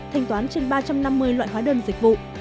thanh toán trên ba trăm năm mươi loại hóa đơn dịch vụ